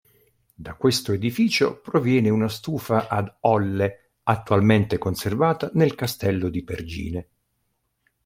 Da questo edificio proviene una stufa ad "olle" attualmente conservata nel Castello di Pergine.